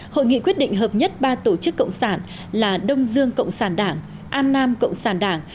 hội nghị quyết định hợp nhất ba tổ chức cộng sản là đông dương cộng sản đảng an nam cộng sản đảng